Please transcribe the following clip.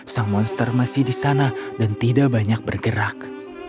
sang monster masih di sana dan tidak banyak bergerak